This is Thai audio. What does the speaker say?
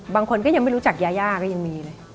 บางคนก็ยังไม่รู้จักยายาก็ยังมีเลย